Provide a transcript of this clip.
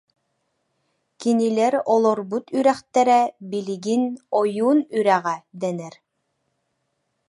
Кинилэр олорбут үрэхтэрэ билигин Ойуун Үрэҕэ дэнэр